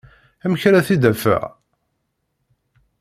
Amek ara t-id-afeɣ?